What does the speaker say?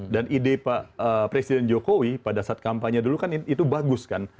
dan ide presiden jokowi pada saat kampanye dulu kan itu bagus kan